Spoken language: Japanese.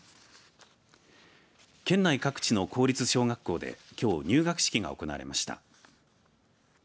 県内各地の公立小学校できょう入学式が行われました。